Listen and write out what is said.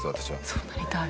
そうなりたい。